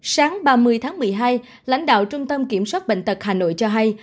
sáng ba mươi tháng một mươi hai lãnh đạo trung tâm kiểm soát bệnh tật hà nội cho hay